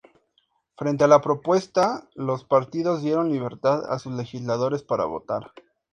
Frente a la propuesta, los partidos dieron libertad a sus legisladores para votar.